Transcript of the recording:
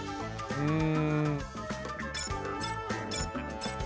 うん。